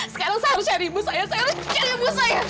sekarang saya harus cari ibu saya saya harus cari ibu saya